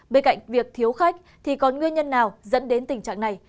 bên cạnh việc thiếu khách thì còn nguyên nhân nào dẫn đến tình trạng này